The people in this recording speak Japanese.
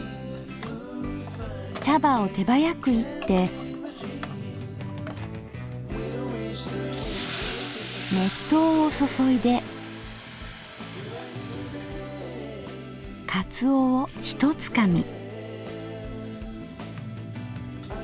茶葉を手早く炒って熱湯を注いでかつおをひとつかみ。